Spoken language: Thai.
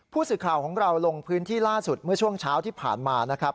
ผู้สื่อข่าวของเราลงพื้นที่ล่าสุดเมื่อช่วงเช้าที่ผ่านมานะครับ